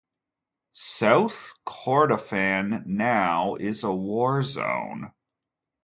South Kordofan now is a war zone.